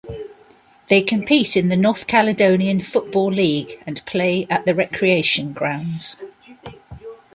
They compete in the North Caledonian Football League and play at the Recreation Grounds.